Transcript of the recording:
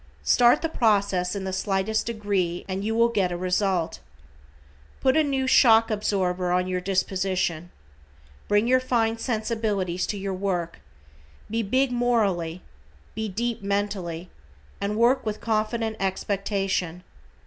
Start the process in the slightest degree and you will get a result. Put a new shock absorber on your disposition. Bring your fine sensibilities to your work, be big morally, be deep mentally, and work with confident expectation.